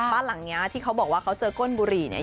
บ้านหลังเนี้ยที่เขาบอกว่าเขาเจอก้นบุหรี่เนี่ย